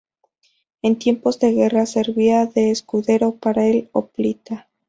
En tiempos de guerra, servía de escudero para el hoplita.